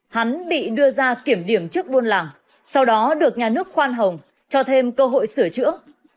hắn bị đưa ra kiểm điểm trước buôn làng sau đó được nhà nước khoan hồng cho thêm cơ hội sửa chữa